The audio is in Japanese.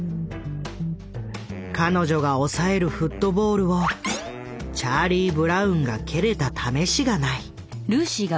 彼女が押さえるフットボールをチャーリー・ブラウンが蹴れたためしがない。